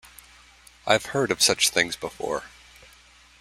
I've heard of such things before.